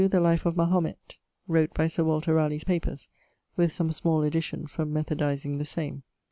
The Life of Mahomett, wrot by Sir Walter Raleigh's papers, with some small addition for methodizing the same.